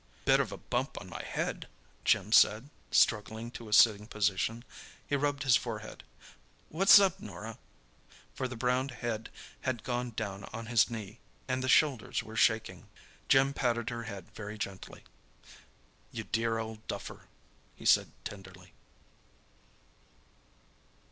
"Bit of a bump on my head," Jim said, struggling to a sitting position. He rubbed his forehead. "What's up, Norah?" For the brown head had gone down on his knee and the shoulders were shaking. Jim patted her head very gently. "You dear old duffer," he said tenderly.